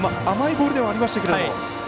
甘いボールではありましたが。